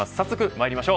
早速まいりましょう。